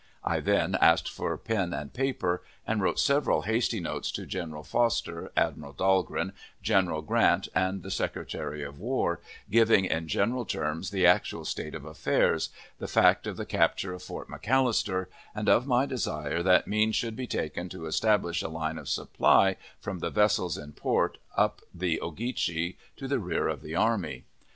I then asked for pen and paper, and wrote several hasty notes to General Foster, Admiral Dahlgren, General Grant, and the Secretary of War, giving in general terms the actual state of affairs, the fact of the capture of Fort McAllister, and of my desire that means should be taken to establish a line of supply from the vessels in port up the Ogeechee to the rear of the army.